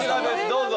どうぞ。